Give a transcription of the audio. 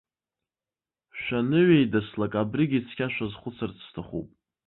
Шәаныҩеидаслак абригьы цқьа шәазхәыцырц сҭахуп.